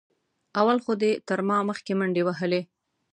اول خو دې تر ما مخکې منډې وهلې.